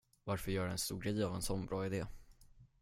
Varför göra en stor grej av en sån bra idé?